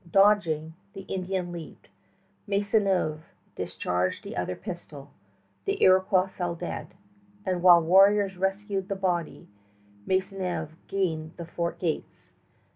Dodging, the Indian leaped. Maisonneuve discharged the other pistol. The Iroquois fell dead, and while warriors rescued the body, Maisonneuve gained the fort gates.